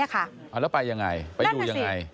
แล้วไปยังไงไปอยู่ยังไง